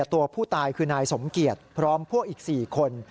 ตัวผู้ตายคือนายสมเกียจพร้อมพวกอีก๔คน